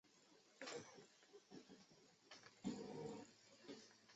介子推割股的史实也存在争议。